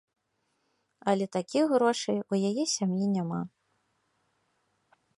Але такіх грошай у яе сям'і няма.